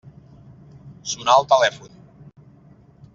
Sonà el telèfon.